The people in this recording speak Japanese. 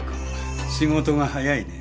仕事が早いね。